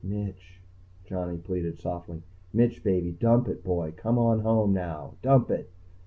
"Mitch," Johnny pleaded softly. "Mitch, baby. Dump it, boy, come on home, now. Dump it."